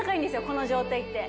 この状態って。